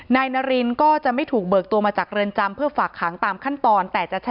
นายนารินก็จะไม่ถูกเบิกตัวมาจากเรือนจำเพื่อฝากขังตามขั้นตอนแต่จะใช้